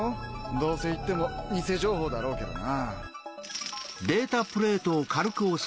どうせ行っても偽情報だろうけどな。